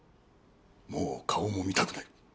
もう顔も見たくない。